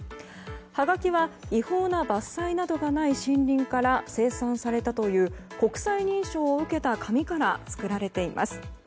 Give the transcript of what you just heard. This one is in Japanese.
はがきは違法な伐採などがない森林から生産されたという国際認証を受けた紙から作られています。